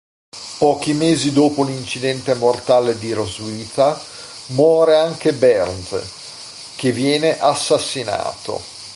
Pochi mesi dopo l'incidente mortale di Roswitha, muore anche Bernd, che viene assassinato.